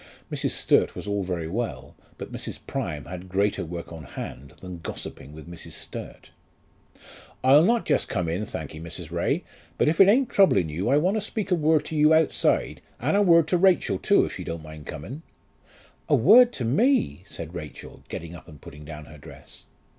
Mrs. Sturt was all very well, but Mrs. Prime had greater work on hand than gossiping with Mrs. Sturt. "I'll not just come in, thankee, Mrs. Ray; but if it ain't troubling you I want to speak a word to you outside; and a word to Rachel too, if she don't mind coming." "A word to me!" said Rachel getting up and putting down her dress.